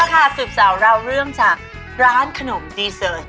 เอาละคะสื่อบสาวเราเรื่องจากร้านขนมซื้อเนินนะ